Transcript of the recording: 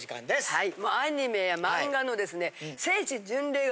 はい。